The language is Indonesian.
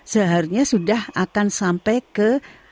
seharusnya sudah akan sampai ke